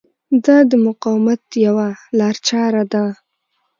دا د مقاومت یوه لارچاره ده.